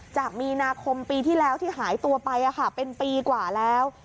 จากมีนาคมปีที่แล้วที่หายตัวไปเป็นปีกว่าแล้ว